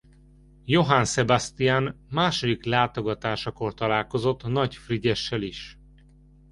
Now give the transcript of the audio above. Johann Sebastian második látogatásakor találkozott Nagy Frigyessel is.